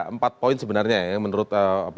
empat poin sebenarnya menurut